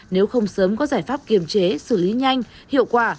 nếu không sớm có giải pháp kiềm chế xử lý nhanh hiệu quả